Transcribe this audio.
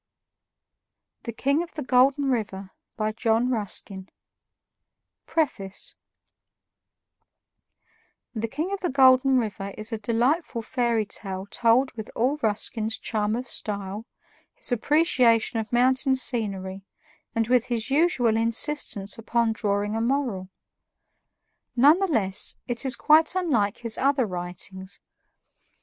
The King of the Golden River by John Ruskin PREFACE "The King of the Golden River" is a delightful fairy tale told with all Ruskin's charm of style, his appreciation of mountain scenery, and with his usual insistence upon drawing a moral. None the less, it is quite unlike his other writings.